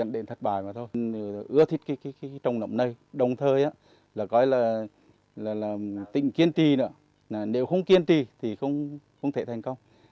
đồng thời là tỉnh kiên trì nếu không kiên trì thì không thể thành công